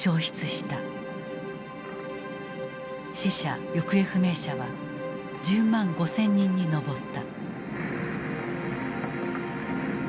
死者・行方不明者は１０万５，０００人に上った。